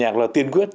nhạc là tiên quyết